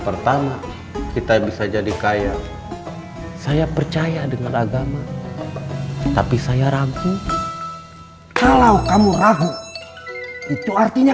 pertama kita bisa jadi kaya saya percaya dengan agama tapi saya ragu kalau kamu ragu itu artinya